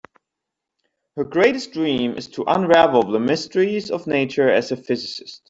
Her greatest dream is to unravel the mysteries of nature as a physicist.